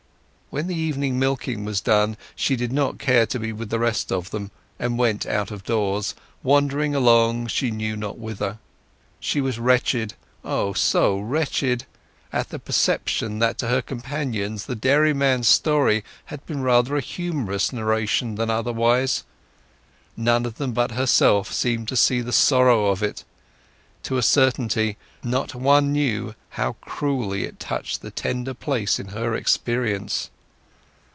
When the evening milking was done she did not care to be with the rest of them, and went out of doors, wandering along she knew not whither. She was wretched—O so wretched—at the perception that to her companions the dairyman's story had been rather a humorous narration than otherwise; none of them but herself seemed to see the sorrow of it; to a certainty, not one knew how cruelly it touched the tender place in her experience.